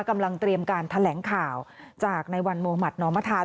กำลังเตรียมการแถลงข่าวจากในวันมุมัตินอมธา